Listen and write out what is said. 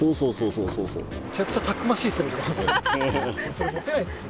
それ持てないっすよ。